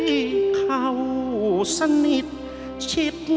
ทั้งแต่วางเมือง